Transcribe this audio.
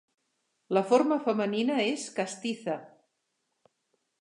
La forma femenina és castiza.